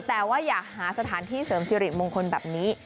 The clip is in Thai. แต่ว่าอย่าหาสถานที่เสริมสิริมงคลแบบนี้